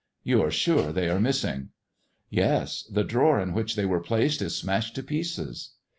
You are sure they are missing 1" Yes. The drawer in vhich they were placed is smashed ' to pieces."